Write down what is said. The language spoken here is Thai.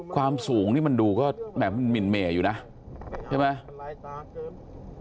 ความสูงนี่มันดูก็แบบมินเมย์อยู่นะใช่ไหม